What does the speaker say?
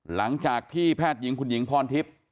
หลังจากที่แพทย์หญิงคุณหญิงพรทิพย์